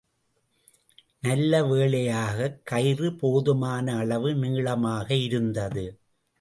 நல்லவேளையாகக் கயிறு போதுமான அளவு நீளமாக இருந்தது.